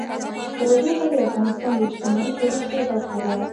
تودوخه د افغانستان د اجتماعي جوړښت یوه برخه ده.